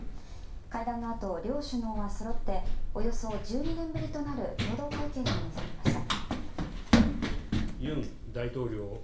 会談のあと両首脳はそろっておよそ１２年ぶりとなる共同会見に臨みました。